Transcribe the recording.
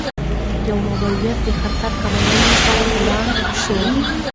یو ماموریت د خطر کمولو لپاره پلان شوی.